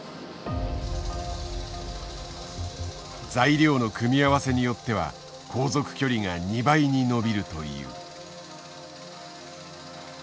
材料の組み合わせによっては航続距離が２倍に伸びるという。